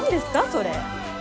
それ。